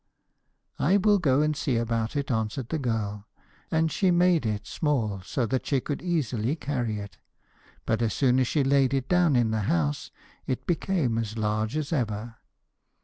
'I will go and see about it,' answered the girl, and she made it small so that she could easily carry it, but as soon as she laid it down in the house, it became as large as ever.